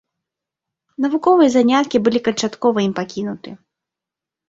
Навуковыя заняткі былі канчаткова ім пакінуты.